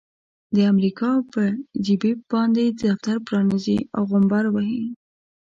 د امريکا په جيب باندې دفتر پرانيزي او غومبر وهي.